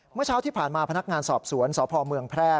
เมื่อเช้าที่ผ่านมาพนักงานสอบสวนสพเมืองแพร่